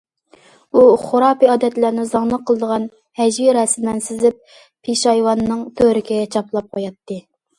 ئۇ خۇراپىي ئادەتلەرنى زاڭلىق قىلىدىغان ھەجۋىي رەسىملەرنى سىزىپ، پېشايۋاننىڭ تۈۋرۈكىگە چاپلاپ قوياتتى.